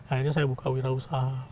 akhirnya saya buka wirausaha